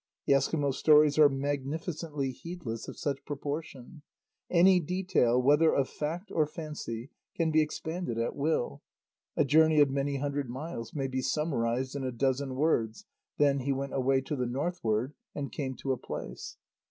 The Eskimo stories are magnificently heedless of such proportion. Any detail, whether of fact or fancy, can be expanded at will; a journey of many hundred miles may be summarized in a dozen words: "Then he went away to the Northward, and came to a place."